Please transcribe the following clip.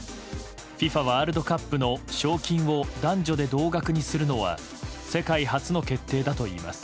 ワールドカップの賞金を男女で同額にするのは世界初の決定だといいます。